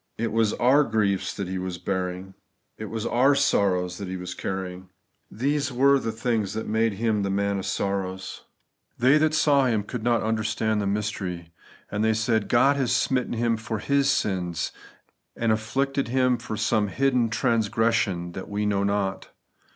It was our griefs that He was bearing; it was our sorrows that He was carrying. These were the things that made Him the man of sorrows. They The Declaration of the Completeness. 49 that saw Him could not understand the mystery. They said, God has smitten him for his sins/ arid afflicted him for some hidden transgression that we know not.